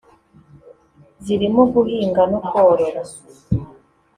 zirimo guhinga no korora